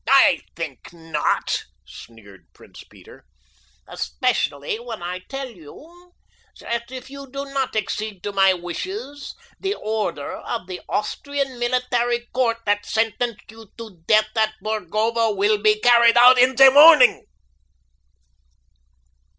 "I think not," sneered Prince Peter, "especially when I tell you that if you do not accede to my wishes the order of the Austrian military court that sentenced you to death at Burgova will be carried out in the morning."